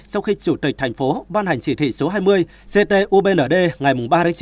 sau khi chủ tịch thành phố văn hành chỉ thị số hai mươi ct ubnd ngày ba chín